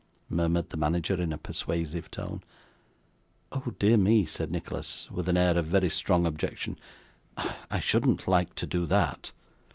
murmured the manager in a persuasive tone. 'Oh dear me,' said Nicholas, with an air of very strong objection, 'I shouldn't like to do that.